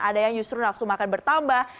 ada yang justru nafsu makan bertambah